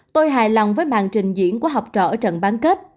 tôi hài lòng với màn trình diễn của học trò trận bán kết